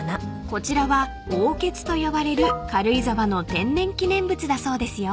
［こちらは甌穴と呼ばれる軽井沢の天然記念物だそうですよ］